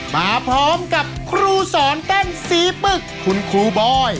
มาพร้อมกับครูสอนเต้นสีปึกคุณครูบอย